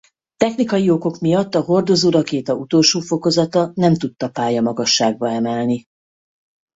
Technikai okok miatt a hordozórakéta utolsó fokozata nem tudta pályamagasságba emelni.